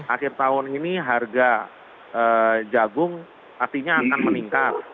akhir tahun ini harga jagung pastinya akan meningkat